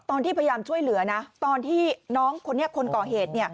ตอนที่พยายามช่วยเหลือนะตอนที่น้องคนนี้คนก่อเหตุ